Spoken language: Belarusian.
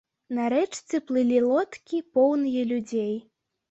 На рэчцы плылі лодкі, поўныя людзей.